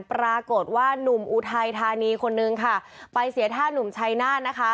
ปรากฏว่านุ่มอุทัยธานีคนนึงค่ะไปเสียท่านุ่มชัยนาธนะคะ